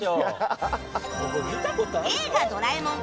「映画ドラえもん」